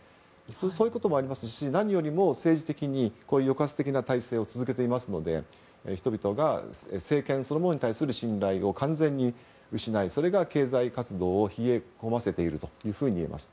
そういうこともありますし何よりも政治的に抑圧的な体制を続けていますので人々が政権そのものに対する信頼を完全に失いそれが経済活動を冷え込ませているといえると思います。